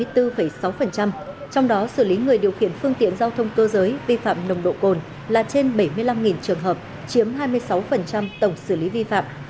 trong đó xử lý người điều khiển phương tiện giao thông cơ giới vi phạm nồng độ cồn là trên bảy mươi năm trường hợp chiếm hai mươi sáu tổng xử lý vi phạm